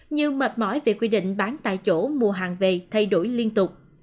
như mệt mỏi về quy định bán tại chỗ mua hàng về thay đổi liên tục